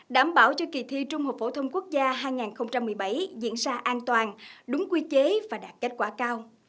đảm bảo cho kỳ thi trung học phổ thông quốc gia hai nghìn một mươi bảy diễn ra an toàn đúng quy chế và đạt kết quả cao